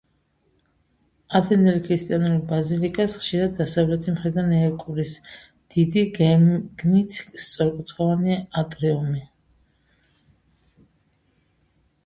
ადრინდელ ქრისტიანულ ბაზილიკას ხშირად დასავლეთი მხრიდან ეკვრის დიდი, გეგმით სწორკუთხოვანი ატრიუმი.